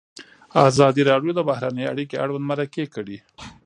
ازادي راډیو د بهرنۍ اړیکې اړوند مرکې کړي.